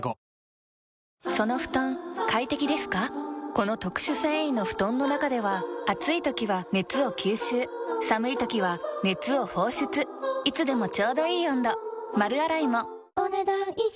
この特殊繊維の布団の中では暑い時は熱を吸収寒い時は熱を放出いつでもちょうどいい温度丸洗いもお、ねだん以上。